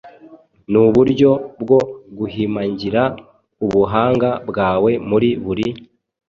nuburyo bwo guhimangira ubuhanga bwawe muri buri